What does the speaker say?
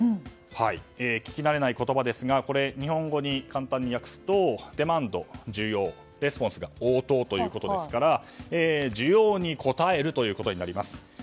聞きなれない言葉ですが日本語に簡単に訳すとデマンド、需要レスポンスが応答ということですから需要に応えるとなります。